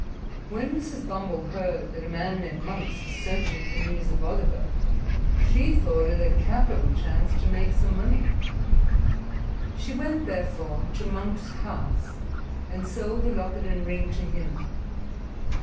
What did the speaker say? When Mrs. Bumble heard that a man named Monks was searching for news of Oliver, she thought it a capital chance to make some money. She went, therefore, to Monks's house and sold the locket and ring to him.